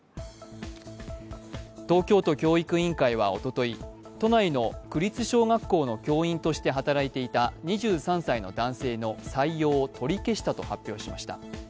東京都教育委員会はおととい、都内の区立小学校の教員として働いていた２３歳の男性の採用を取り消したと発表しました。